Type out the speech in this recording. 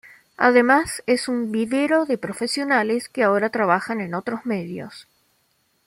Además es un vivero de profesionales que ahora trabajan en otros medios.